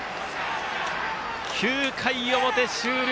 ９回の表、終了。